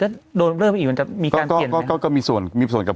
ก็เลิกลงไปอีกวันจะมีการเปลี่ยนไหมคะ